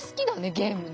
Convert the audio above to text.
ゲームね。